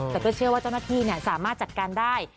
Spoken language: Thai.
แต่ก็เชื่อว่าเจ้าหน้าที่สามารถจัดการได้